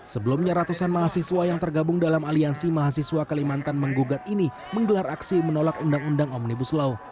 sebelumnya ratusan mahasiswa yang tergabung dalam aliansi mahasiswa kalimantan menggugat ini menggelar aksi menolak undang undang omnibus law